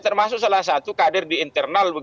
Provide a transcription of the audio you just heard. termasuk salah satu kader di internal